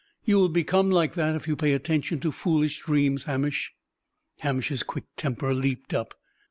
You will become like that if you pay attention to foolish dreams, Hamish." Hamish's quick temper leaped up.